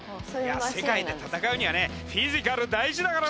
世界で戦うにはねフィジカル大事だからね！